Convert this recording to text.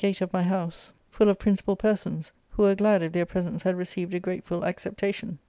ARCADIA. ^Book III. 253 of principal persons, who were glad if their presents had received a grateful acceptation.